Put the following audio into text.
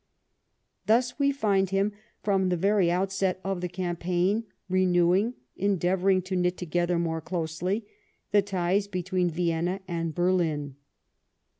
Thus we find him, from the very outset of the campaign, renewing, endeavouring to knit together more closely, the ties between Vienna and Berlin.